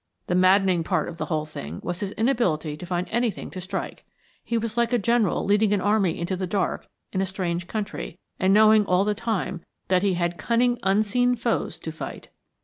The maddening part of the whole thing was his inability to find anything to strike. He was like a general leading an army into the dark in a strange country, and knowing all the time that he had cunning unseen foes to fight.